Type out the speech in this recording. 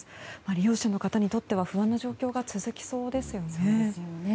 利用者の方にとっては不安な状況が続きそうですね。